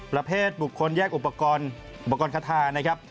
ประเภทบุคคลแยกอุปกรณ์อุปกรณ์คาทานะครับ